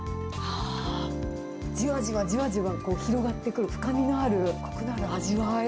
あー、じわじわじわじわ広がってくる、深みのある、こくのある味わい。